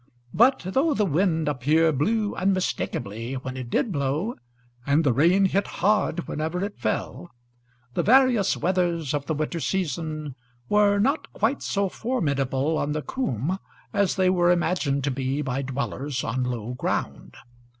But, though the wind up here blew unmistakably when it did blow, and the rain hit hard whenever it fell, the various weathers of the winter season were not quite so formidable on the coomb as they were imagined to be by dwellers on low ground.